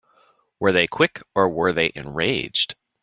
Were they quick or were they enraged?